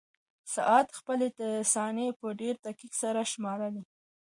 ساعت خپلې ثانیې په ډېر دقت سره شمارلې.